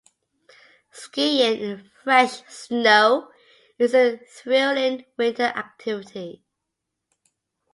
Skiing in the fresh snow is a thrilling winter activity.